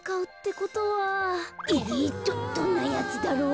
えどんなやつだろう。